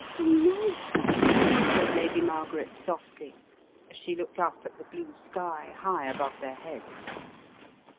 "The moat," said Lady Margaret, softly, as she looked up at the blue sky, high above their heads.